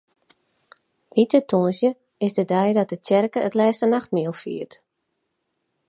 Wite Tongersdei is de dei dat de tsjerke it Lêste Nachtmiel fiert.